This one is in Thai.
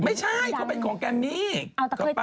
ไม่ใช่เขาเป็นของแกมมี่